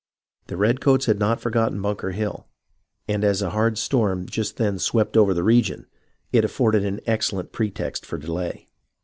The redcoats had not forgotten Bunker Hill, and as a hard storm just then swept over the region, it afforded an excellent pretext for a delay.